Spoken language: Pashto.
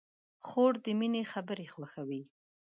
خور د مینې خبرې خوښوي.